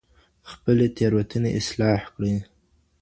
خپلې تېروتنې اصلاح کړئ.